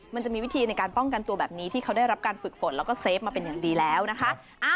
มันจะมีวิธีในการป้องกันตัวแบบนี้ที่เขาได้รับการฝึกฝนแล้วก็เฟฟมาเป็นอย่างดีแล้วนะคะ